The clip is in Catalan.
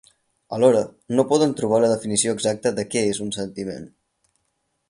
Alhora, no poden trobar la definició exacta de què és un sentiment.